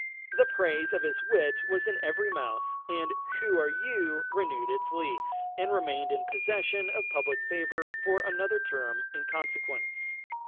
The praise of his wit was in every mouth, and "Who are you?" renewed its lease, and remained in possession of public favour for another term in consequence.